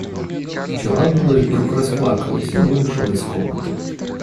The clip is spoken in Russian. Начала было и вдруг расплакалась и выбежала из комнаты.